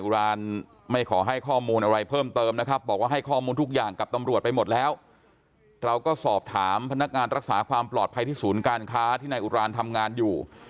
เราก็สอบถามพนักงานรักษาความปลอดภัยที่ศูนย์การค้าที่ในอุรานทำงานอยู่